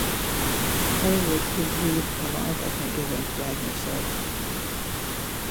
Anybody could read the lines I've been given, Wagner said.